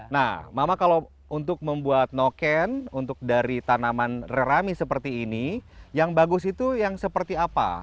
nah mama kalau untuk membuat noken untuk dari tanaman rerami seperti ini yang bagus itu yang seperti apa